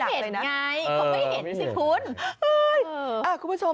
เขาไม่เห็นไงเขาไม่เห็นสิพุทธ